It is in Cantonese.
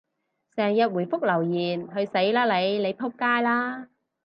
成日回覆留言，去死啦你！你仆街啦！